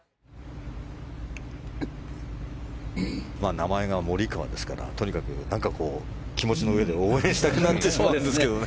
名前がモリカワですからとにかく気持ちのうえで応援したくなってしまいますけどね。